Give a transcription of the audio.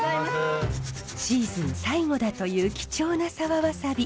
シーズン最後だという貴重な沢ワサビ。